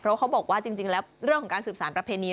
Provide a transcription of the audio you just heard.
เพราะเขาบอกว่าจริงแล้วเรื่องของการสืบสารประเพณี